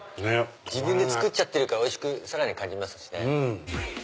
自分で作っちゃってるからおいしくさらに感じますしね。